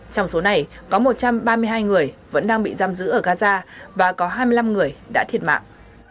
trong số này có một trăm ba mươi hai người vẫn đang bị giam giữ ở gaza và có hai mươi năm người đã thiệt mạng